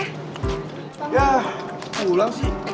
ya pulang sih